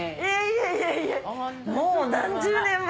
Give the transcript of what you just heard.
いえいえもう何十年前。